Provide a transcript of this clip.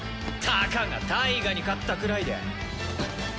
たかがタイガに勝ったくらいで。